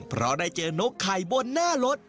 เพราะได้เจอนกไข่บนหน้ารถ